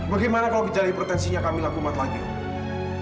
bagaimana kalau kita lihat pretensinya kamila kumat lagi om